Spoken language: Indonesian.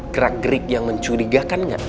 gerak gerik yang mencurigakan gak